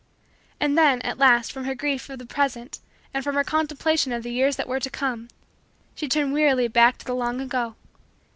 And then, at last, from her grief of the present and from her contemplation of the years that were to come, she turned wearily back to the long ago.